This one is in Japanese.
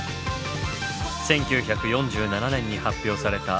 １９４７年に発表された手